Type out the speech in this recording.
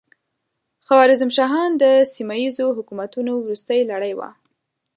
خوارزم شاهان د سیمه ییزو حکومتونو وروستۍ لړۍ وه.